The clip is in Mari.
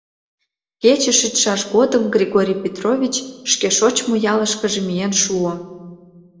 Кече шичшаш годым Григорий Петрович шке шочмо ялышкыже миен шуо.